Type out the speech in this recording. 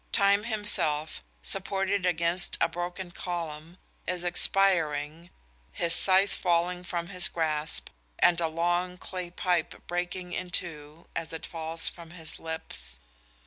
Time himself, supported against a broken column, is expiring, his scythe falling from his grasp and a long clay pipe breaking in two as it falls from his lips.